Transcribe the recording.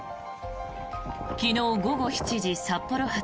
昨日午後７時札幌発